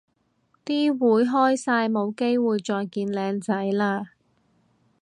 啲會開晒冇機會再見靚仔嘞